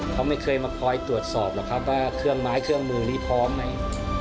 เขาไม่เคยมาคอยตรวจสอบหรอกครับว่าเครื่องไม้เครื่องมือนี้พร้อมไหม